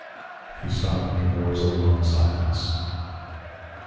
He stopped, and there was a long silence.